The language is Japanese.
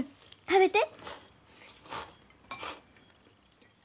食べて！